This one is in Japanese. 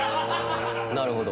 なるほど。